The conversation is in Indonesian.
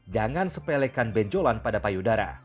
jangan sepelekan benjolan pada payudara